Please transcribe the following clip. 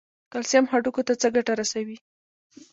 کلسیم هډوکو ته څه ګټه رسوي؟